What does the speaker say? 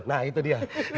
nah itu dia